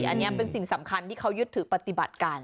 อันนี้เป็นสิ่งสำคัญที่เขายึดถือปฏิบัติการ